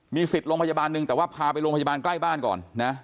สิทธิ์โรงพยาบาลหนึ่งแต่ว่าพาไปโรงพยาบาลใกล้บ้านก่อนนะ